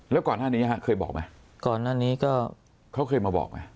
แล้วก่อนหน้านี้ฮะเคยบอกไหมก่อนหน้านี้ก็เขาเคยมาบอกไหม